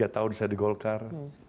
empat puluh tiga tahun saya di golkar